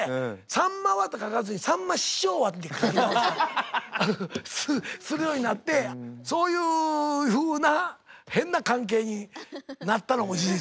「さんまは」と書かずに「さんま師匠は」って。するようになってそういうふうな変な関係になったのも事実。